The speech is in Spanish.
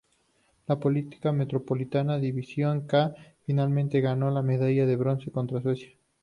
La Policía Metropolitana División "K", finalmente ganó la medalla de bronce contra Suecia.